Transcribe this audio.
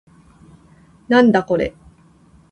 なんだこれ